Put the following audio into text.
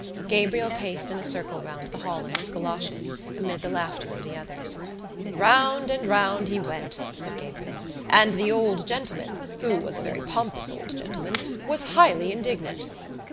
Gabriel paced in a circle round the hall in his goloshes amid the laughter of the others. "Round and round he went," said Gabriel, "and the old gentleman, who was a very pompous old gentleman, was highly indignant.